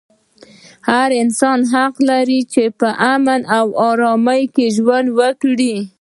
هر انسان حق لري چې په امن او ارام کې ژوند وکړي.